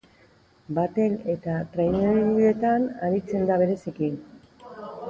Batel eta trainerilletan aritzen da bereziki.